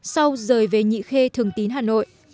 sau rời về nhị khê thường tín hà nội